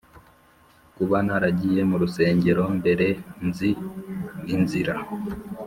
kuba naragiye mu rusengero mbere, nzi inzira.